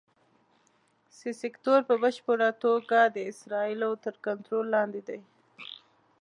سي سیکټور په بشپړه توګه د اسرائیلو تر کنټرول لاندې دی.